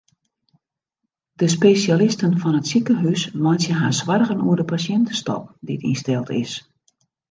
De spesjalisten fan it sikehús meitsje har soargen oer de pasjintestop dy't ynsteld is.